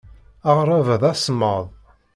Aɣrab-a d asemmaḍ.